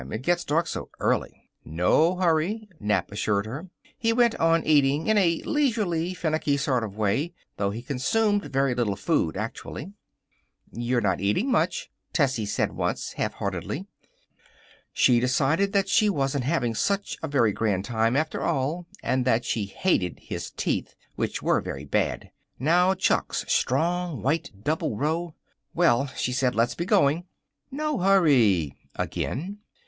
It gets dark so early." "No hurry," Nap assured her. He went on eating in a leisurely, finicking sort of way, though he consumed very little food, actually. "You're not eating much," Tessie said once, halfheartedly. She decided that she wasn't having such a very grand time, after all, and that she hated his teeth, which were very bad. Now, Chuck's strong, white, double row "Well," she said, "let's be going." "No hurry," again.